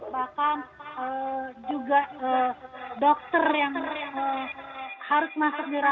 bahkan juga dokter yang harus masuk dirawat